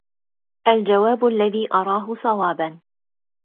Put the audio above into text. الجواب الذي أراه صوابا